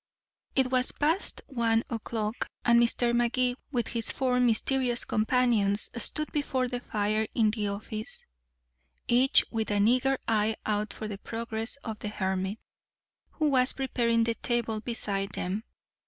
It was past one o'clock, and Mr. Magee with his four mysterious companions stood before the fire in the office, each with an eager eye out for the progress of the hermit, who was preparing the table beside them.